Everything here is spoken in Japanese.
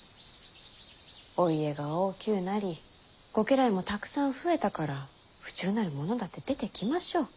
お家が大きゅうなりご家来もたくさん増えたから不忠なる者だって出てきましょう。